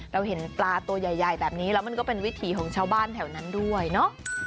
เราเห็นปลาตัวใหญ่แบบนี้แล้วมันก็เป็นวิถีของชาวบ้านแถวนั้นด้วยเนอะ